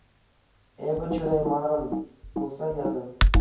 Эпӗ чӑтаймарӑм, кулса ятӑм.